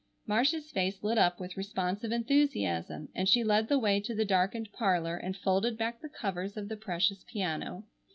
Marcia's face lit up with responsive enthusiasm, and she led the way to the darkened parlor and folded back the covers of the precious piano.